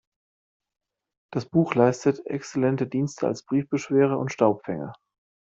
Das Buch leistet exzellente Dienste als Briefbeschwerer und Staubfänger.